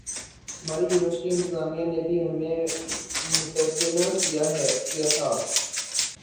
ہماری یونیورسٹی انتظامیہ نے بھی ہمیں متبنہ کیا تھا